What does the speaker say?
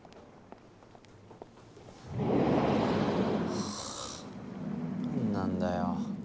はあ何なんだよ。